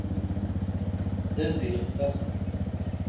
Ddan d yiqeffafen.